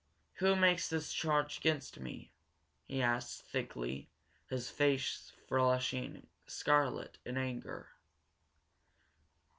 "Who makes this charge against me!" he asked, thickly, his face flushing scarlet in anger.